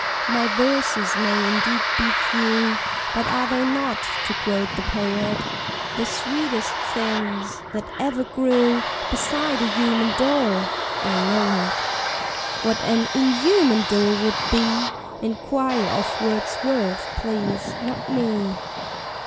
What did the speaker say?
My verses may indeed be few, But are they not, to quote the poet, "The sweetest things that ever grew Beside a human door"? I know it. (What an _in_human door would be, Enquire of Wordsworth, please, not me.)